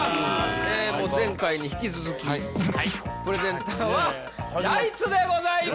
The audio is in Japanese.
前回に引き続きプレゼンターはナイツでございます